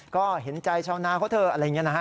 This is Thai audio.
ก็เห็นใจชาวนาเขาเถอะอะไรอย่างนี้นะฮะ